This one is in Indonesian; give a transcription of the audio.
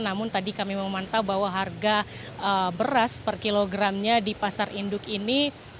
namun tadi kami memantau bahwa harga beras per kilogramnya di pasar induk ini